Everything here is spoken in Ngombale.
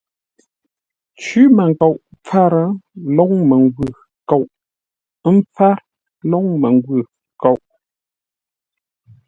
Cwímənkoʼ pfâr, lóŋ məngwʉ̂ kôʼ; ə́ mpfár, lôŋ məngwʉ̂ kôʼ.